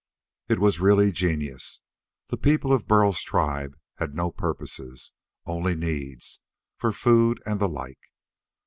It was really genius. The people of Burl's tribe had no purposes, only needs for food and the like.